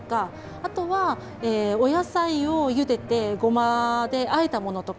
あとは、お野菜をゆでてごまであえたものとか。